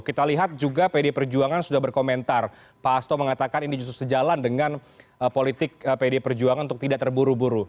kita lihat juga pd perjuangan sudah berkomentar pak hasto mengatakan ini justru sejalan dengan politik pd perjuangan untuk tidak terburu buru